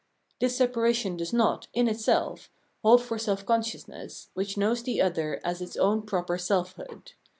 This separation does not, in itself, hold for self consciousness, which knows the other as its own proper self hood.